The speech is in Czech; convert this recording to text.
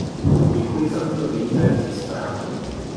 Děkuji za tuto vynikající zprávu.